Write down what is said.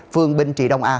phương binh trị đông a